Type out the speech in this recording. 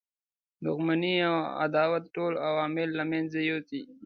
دښمنی او عداوت ټول عوامل له منځه یوسي.